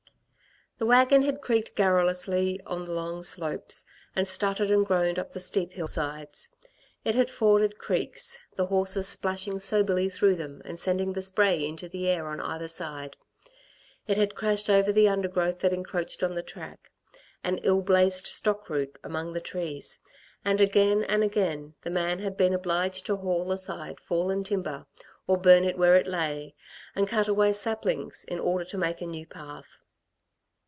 The wagon had creaked garrulously on the long slopes, and stuttered and groaned up the steep hill sides. It had forded creeks, the horses splashing soberly through them and sending the spray into the air on either side. It had crashed over the undergrowth that encroached on the track, an ill blazed stock route among the trees, and again and again the man had been obliged to haul aside fallen timber, or burn it where it lay, and cut away saplings, in order to make a new path.